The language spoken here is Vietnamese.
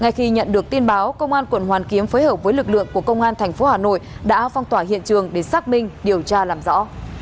ngay khi nhận được tin báo công an quận hoàn kiếm phối hợp với lực lượng của công an tp hà nội đã phong tỏa hiện trường để xác minh điều tra làm rõ